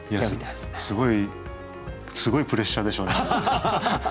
すごいすごいプレッシャーでしょうね。